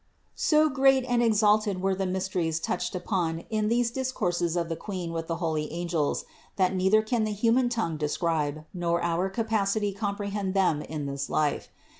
So great and ex alted were the mysteries touched upon in these dis courses of the Queen with the holy angels, that neither can the human tongue describe, nor our capacity compre hend them in this life.